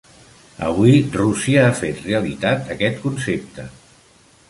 Avui, Rússia ha fet realitat aquest concepte.